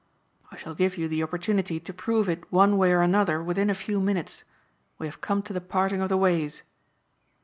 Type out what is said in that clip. "I shall give you the opportunity to prove it one way or another within a few minutes. We have come to the parting of the ways."